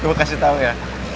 gue kasih tau ya